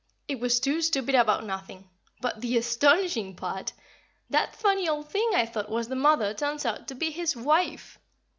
It was too stupid about nothing; but the astonishing part is, that funny old thing I thought was the mother turns out to be _his wife!